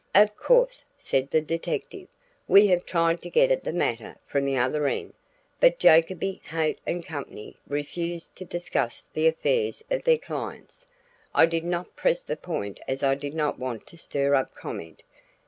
"Of course," said the detective, "we have tried to get at the matter from the other end; but Jacoby, Haight & Company refuse to discuss the affairs of their clients. I did not press the point as I did not want to stir up comment.